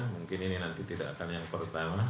mungkin ini nanti tidak akan yang pertama